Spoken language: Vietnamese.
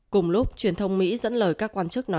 cùng lúc truyền thông mỹ dẫn lời các quan chức nói